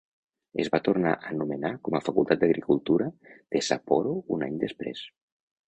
Es va tornar anomenar com a Facultat d'Agricultura de Sapporo un any després.